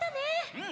うん！